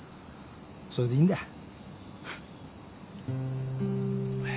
それでいいんだ。